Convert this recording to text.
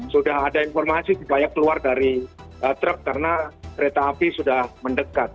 sudah ada informasi supaya keluar dari truk karena kereta api sudah mendekat